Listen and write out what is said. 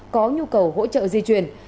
có nhu cầu hỗ trợ di chuyển